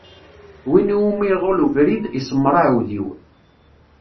Win iwumi iḍul ubrid, iṣemmeṛ aɛudiw.